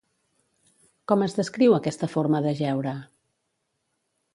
Com es descriu aquesta forma d'ajeure?